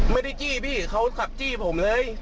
ไม่ได้จี้พี่เขากลับจี้ผมเลย